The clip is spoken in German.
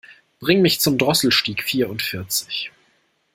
Bring mich zum Drosselstieg vierundvierzig.